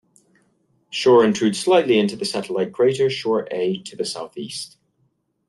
Schorr intrudes slightly into the satellite crater Schorr A to the southeast.